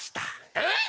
えっ！